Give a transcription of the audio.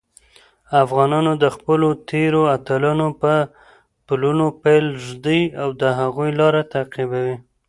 افغانان د خپلو تېرو اتلانو په پلونو پل ږدي او د هغوی لاره تعقیبوي.